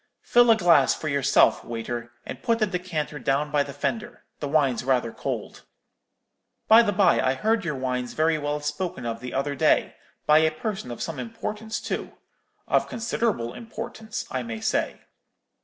Fill a glass for yourself, waiter, and put the decanter down by the fender; the wine's rather cold. By the bye, I heard your wines very well spoken of the other day, by a person of some importance, too—of considerable importance, I may say.'